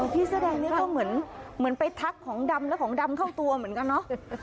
เสื้อแดงนี่ก็เหมือนไปทักของดำแล้วของดำเข้าตัวเหมือนกันเนอะ